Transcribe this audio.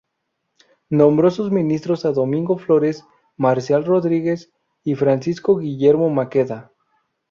Nombró sus ministros a Domingo Flores, Marcial Rodríguez y Francisco Guillermo Maqueda.